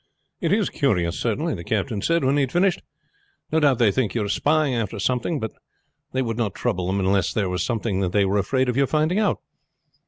"It is curious, certainly," the captain said when he had finished. "No doubt they think you are spying after something; but that would not trouble them unless there was something they were afraid of your finding out.